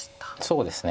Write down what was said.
そうですね。